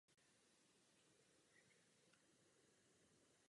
Tento most a nedaleký Kew Railway Bridge jsou jedinými dvěma mosty metra přes Temži.